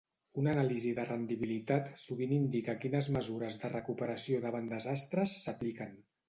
Una anàlisi de rendibilitat sovint indica quines mesures de recuperació davant desastres s'apliquen.